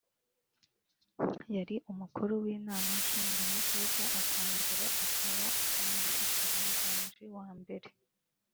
yari umukuru w'inama nshingamateka akongera akaba umushikiranganji wa mbere